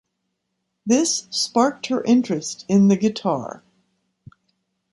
This sparked her interest in the guitar.